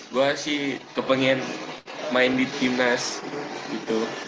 gue sih kepengen main di timnas gitu